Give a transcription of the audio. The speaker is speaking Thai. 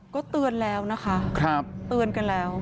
ก็เตือนแล้วนะฮะ